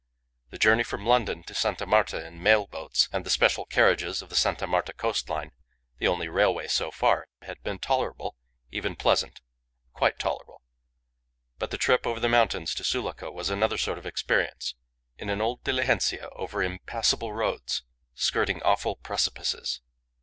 The journey from London to Sta. Marta in mail boats and the special carriages of the Sta. Marta coast line (the only railway so far) had been tolerable even pleasant quite tolerable. But the trip over the mountains to Sulaco was another sort of experience, in an old diligencia over impassable roads skirting awful precipices.